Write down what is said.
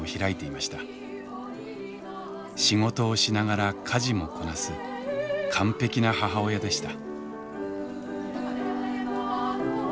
仕事をしながら家事もこなす完璧な母親でした。